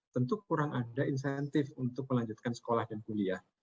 tentu kurang ada insentif untuk melanjutkan sekolah dan kuliah